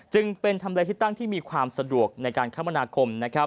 จึงเป็นทำลายที่ตั้งที่มีความสะดวกในการคมนาคม